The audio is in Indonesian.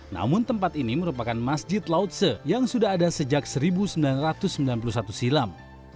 namun tempat ini merupakan masjid lautse yang sudah ada sejak seribu sembilan ratus sembilan puluh satu silam